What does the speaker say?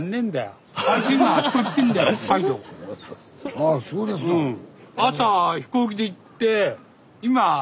ああそうですのん。